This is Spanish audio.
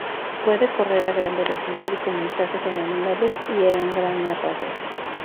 Puede correr a gran velocidad y comunicarse con animales, y era un gran narrador.